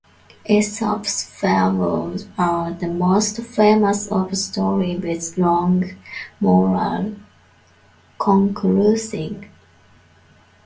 Aesop's Fables are the most famous of stories with strong moral conclusions.